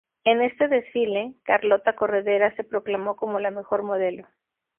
En este desfile, Carlota Corredera se proclamó como la mejor modelo.